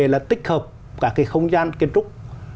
là tích hợp cả cái không gian kiến trúc